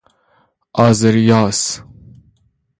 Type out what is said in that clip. آذریاس